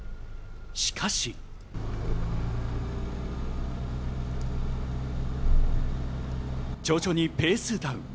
しかし徐々にペースダウン。